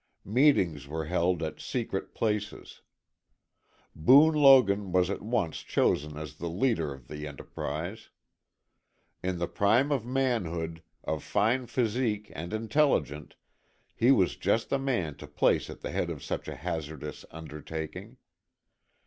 Meetings were held at secret places. Boone Logan was at once chosen as the leader in the enterprise. In the prime of manhood, of fine physique and intelligent, he was just the man to place at the head of such a hazardous undertaking.